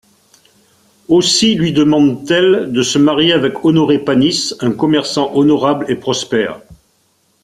Aussi lui demande-t-elle de se marier avec Honoré Panisse, un commerçant honorable et prospère.